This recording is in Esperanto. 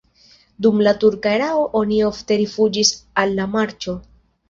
Dum la turka erao oni ofte rifuĝis al la marĉo.